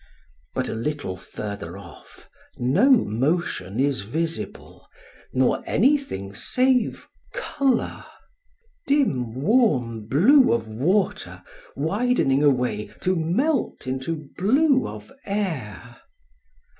But a little further off no motion is visible, nor anything save color: dim warm blue of water widening away to melt into blue of air.